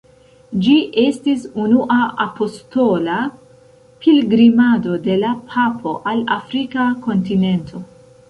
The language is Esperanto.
Ĝi estis unua apostola pilgrimado de la papo al Afrika kontinento.